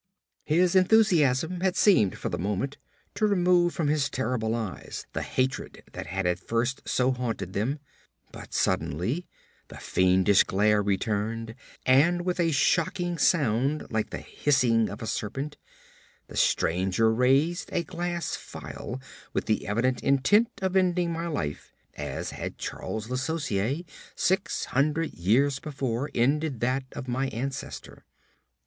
His enthusiasm had seemed for the moment to remove from his terrible eyes the hatred that had at first so haunted them, but suddenly the fiendish glare returned, and with a shocking sound like the hissing of a serpent, the stranger raised a glass phial with the evident intent of ending my life as had Charles Le Sorcier, six hundred years before, ended that of my ancestor.